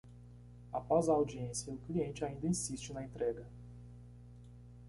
Após a audiência, o cliente ainda insiste na entrega.